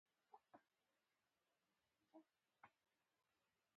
د طرفَینو د موقعیت په لحاظ، تشبیه پر دوه ډولونو وېشل کېږي.